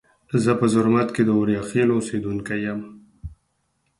زه په زرمت کې د اوریاخیلو اوسیدونکي یم.